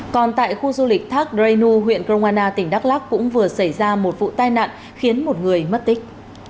còn tại khu du lịch thác ren nu huyện kroana tỉnh đắk lắc cũng vừa xảy ra một vụ tai nạn khiến một người mất tích